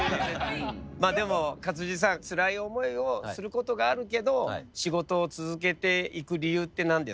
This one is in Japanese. まあでも勝地さんつらい思いをすることがあるけど仕事を続けていく理由って何ですか？